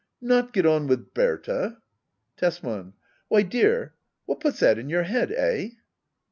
Not get on with Berta ? Tesman. Why, dear, what puts that in your head ? Eh